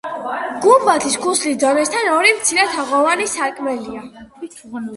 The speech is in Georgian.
გუმბათის ქუსლის დონესთან ორი მცირე თაღოვანი სარკმელია.